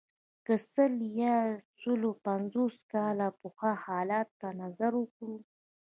که سل یا یو سلو پنځوس کاله پخوا حالت ته نظر وکړو.